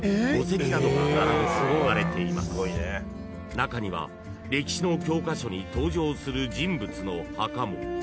［中には歴史の教科書に登場する人物の墓も］